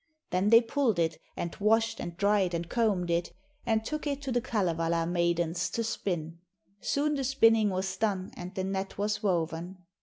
Then they pulled it, and washed and dried and combed it, and took it to the Kalevala maidens to spin. Soon the spinning was done and the net was woven.